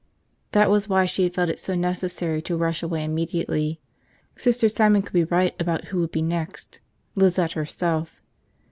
That was why she had felt it so necessary to rush away immediately. Sister Simon could be right about who would be next – Lizette herself.